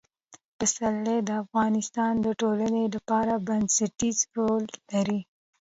پسرلی د افغانستان د ټولنې لپاره بنسټيز رول لري.